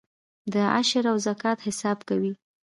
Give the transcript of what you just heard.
د عشر او زکات حساب کوئ؟